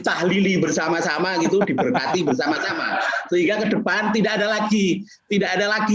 tahlili bersama sama gitu diberkati bersama sama sehingga kedepan tidak ada lagi tidak ada lagi